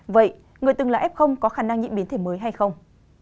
vậy người từng là f có khả năng nhiễm biến thể mới hay không